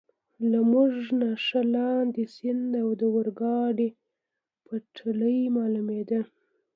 له موږ نه ښه لاندې، سیند او د اورګاډي پټلۍ معلومېده.